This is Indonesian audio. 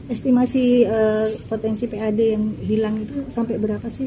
estimasi potensi pad yang hilang itu sampai berapa sih